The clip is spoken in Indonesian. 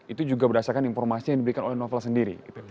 itu juga berdasarkan informasi yang diberikan oleh novel sendiri